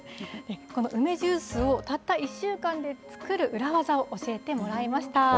この梅ジュースを、たった１週間で作る裏技を教えてもらいました。